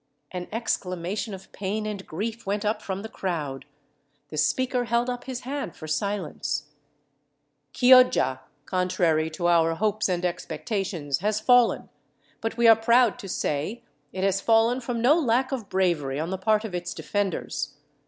An exclamation of pain and grief went up from the crowd. The speaker held up his hand for silence. "Chioggia, contrary to our hopes and expectations, has fallen; but we are proud to say, it has fallen from no lack of bravery on the part of its defenders.